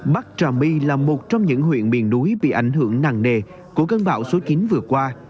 bắc trà my là một trong những huyện miền núi bị ảnh hưởng nặng nề của cơn bão số chín vừa qua